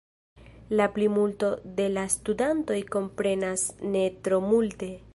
La plimulto de la studantoj komprenas ne tro multe.